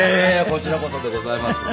こちらこそでございます。